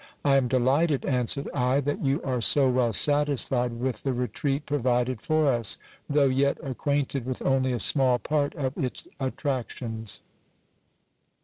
I am delighted, answered I, that you are so well satisfied with the retreat provided for us, though yet acquainted with only a small part of its attractions.